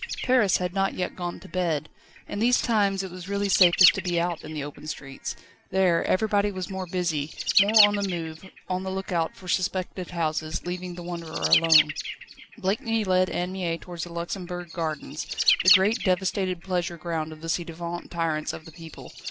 Paris had not yet gone to bed. In these times it was really safest to be out in the open streets. There, everybody was more busy, more on the move, on the lookout for suspected houses, leaving the wanderer alone. Blakeney led Anne Mie towards the Luxembourg Gardens, the great devastated pleasure ground of the ci devant tyrants of the people.